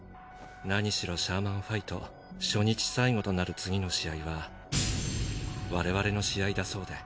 何しろシャーマンファイト初日最後となる次の試合は我々の試合だそうで。